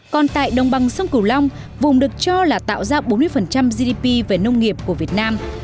còn tại đồng bằng sông cửu long vùng được cho là tạo ra bốn mươi gdp về nông nghiệp của việt nam